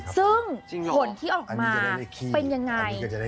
ซึ่งผลที่ออกมาเป็นยังไง